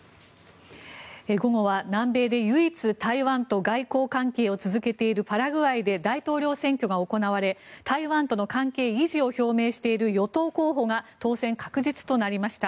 午後は、南米で唯一台湾と外交関係を続けているパラグアイで大統領選挙が行われ台湾との関係維持を表明している与党候補が当選確実となりました。